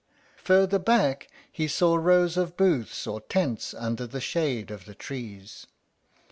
Farther back he saw rows of booths or tents under the shade of the trees.